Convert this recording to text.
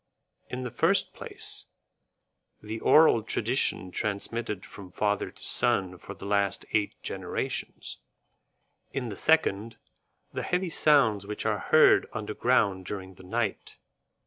"In the first place, the oral tradition transmitted from father to son for the last eight generations; in the second, the heavy sounds which are heard under ground during the night.